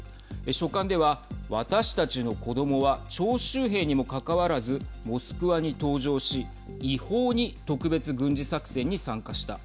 書簡では、私たちの子どもは徴集兵にもかかわらずモスクワに搭乗し、違法に特別軍事作戦に参加した。